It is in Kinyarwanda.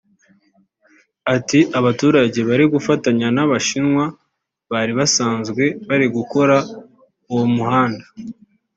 Ati “Abaturage bari gufatanya n’Abashinwa bari basanzwe bari gukora uwo muhanda